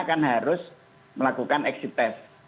kan harus melakukan exit test